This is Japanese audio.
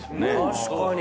確かに！